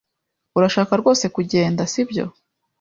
Urashaka rwose kugenda, sibyo?